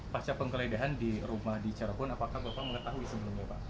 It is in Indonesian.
pasca penggeledahan di rumah di cirebon apakah bapak mengetahui sebelumnya pak